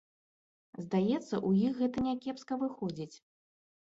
Здаецца, у іх гэта някепска выходзіць.